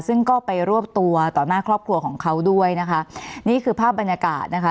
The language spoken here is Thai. ซึ่งก็ไปรวบตัวต่อหน้าครอบครัวของเขาด้วยนะคะนี่คือภาพบรรยากาศนะคะ